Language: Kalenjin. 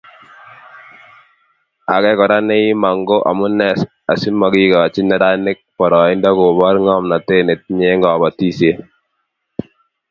Age Kora neiimo ko amune asimakikoch neranik poroindo kobor ngomnatet netinyei eng kobotisiet